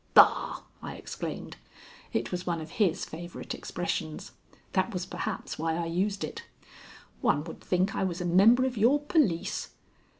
"Bah!" I exclaimed. It was one of his favorite expressions. That was perhaps why I used it. "One would think I was a member of your police."